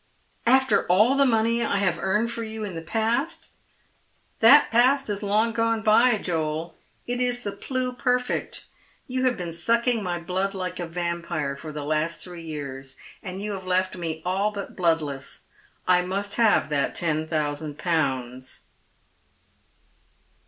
" After all the money I have earned for you in the past ?" At Hay. Wi "That past is long gone by, Joel — it is the pluperfect. Yon have been sucking my blood like a vampire for the last three years, and have left me all but bloodlesB. I must have that ten thousand pounds."